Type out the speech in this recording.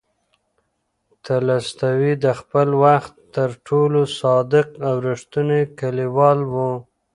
تولستوی د خپل وخت تر ټولو صادق او ریښتینی لیکوال و.